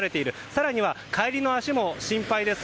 更には帰りの足も心配です。